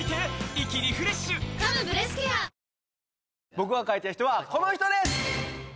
僕が描いた人はこの人です！